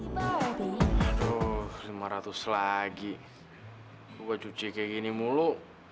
waduh lima ratus lagi gue cuci kayak gini mulu